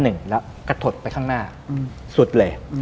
แล้วกระถดไปข้างหน้าสุดเลย